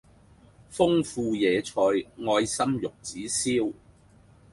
豐富野菜愛心玉子燒